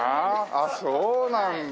あっそうなんだ。